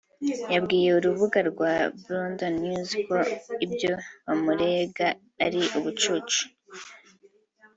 yabwiye urubuga rwa Bloomberg News ko ibyo bamurega ari ubucucu